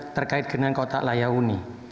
terkait dengan kotak layak uni